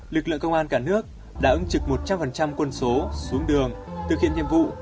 lực lượng công an cả nước đã ứng trực một trăm linh quân số xuống đường thực hiện nhiệm vụ